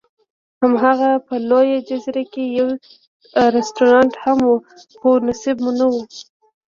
هماغلته په لویه جزیره کې یو رستورانت هم و، خو نصیب مو نه و.